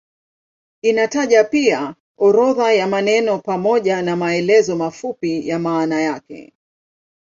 Inataja pia orodha ya maneno pamoja na maelezo mafupi ya maana yake.